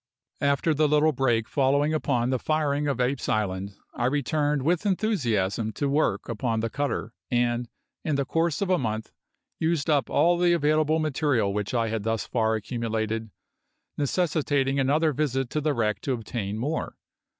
After the little break following upon the firing of Apes' Island I returned with enthusiasm to work upon the cutter, and in the course of a month used up all the available material which I had thus far accumulated, necessitating another visit to the wreck to obtain more.